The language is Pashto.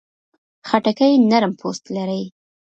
خټکی نرم پوست لري.